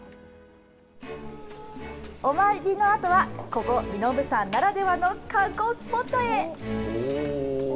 お参りのあとは、ここ、身延山ならではの観光スポットへ。